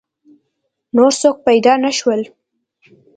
نور څوک پیدا نه شول.